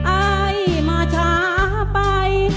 อายมาช้าไป